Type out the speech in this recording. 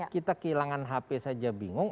kita kehilangan hp saja bingung